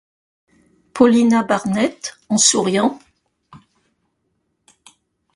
Paulina Barnett, en souriant.